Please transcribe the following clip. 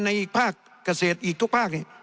อีกภาคเกษตรอีกทุกภาค